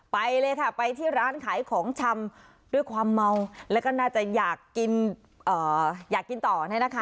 ไปเลยค่ะไปที่ร้านขายของชำด้วยความเมาแล้วก็น่าจะอยากกินอยากกินต่อเนี่ยนะคะ